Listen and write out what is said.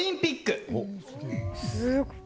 すごい。